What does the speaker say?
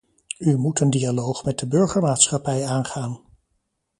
U moet een dialoog met de burgermaatschappij aangaan.